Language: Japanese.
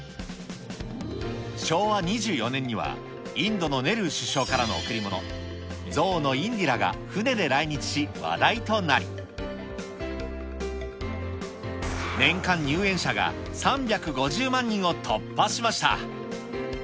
昭和２４年には、インドのネルー首相からの贈り物、ゾウのインディラが船で来日し話題になり、年間入園者が３５０万人を突破しました。